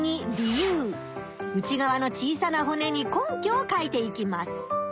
内がわの小さなほねに根拠を書いていきます。